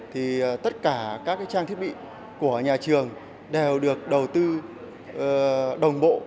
thì tất cả các trang thiết bị của nhà trường đều được đầu tư đồng bộ